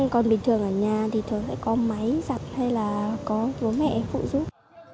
còn bình thường ở nhà thì thường lại có máy giặt hay là có bố mẹ phụ giúp